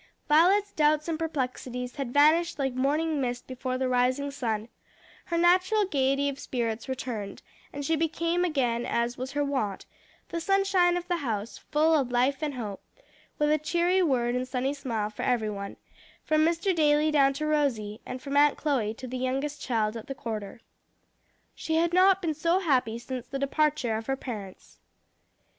Violet's doubts and perplexities had vanished like morning mist before the rising sun; her natural gayety of spirits returned, and she became again as was her wont, the sunshine of the house, full of life and hope, with a cheery word and sunny smile for every one, from Mr. Daly down to Rosie, and from Aunt Chloe to the youngest child at the quarter. She had not been so happy since the departure of her parents.